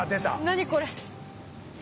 何これ？